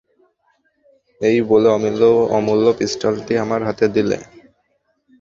এই বলে অমূল্য পিস্তলটি আমার হাতে দিলে।